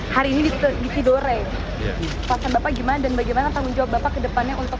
hari ini di sidore pasien bapak gimana dan bagaimana tanggung jawab bapak kedepannya untuk